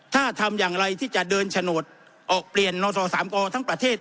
ถ้าทำอย่างไรที่จะเดินโฉนดออกเปลี่ยนนศ๓กทั้งประเทศ